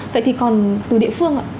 vậy thì còn từ địa phương ạ